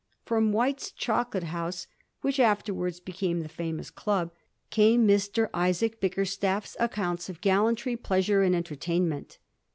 From White's chocolate house, which afterwards became the famous dub, came Mr. Isaac Bickerstaff 's * Accounts of Gallantry, Pleasure, and Entertainment.'